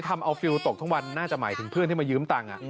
ทำเอาฟิลตกทั้งวันน่าจะหมายถึงเพื่อนที่มายืมตังค์